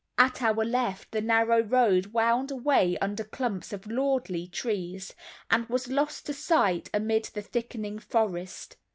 At our left the narrow road wound away under clumps of lordly trees, and was lost to sight amid the thickening forest.